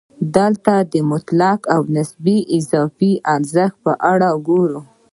دلته د مطلق او نسبي اضافي ارزښت په اړه ګورو